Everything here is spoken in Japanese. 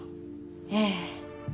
ええ。